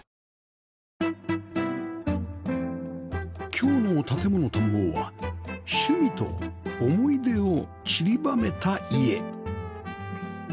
今日の『建もの探訪』は趣味と思い出を散りばめた家